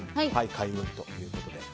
開運ということで。